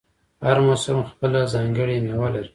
هر موسم خپله ځانګړې میوه لري.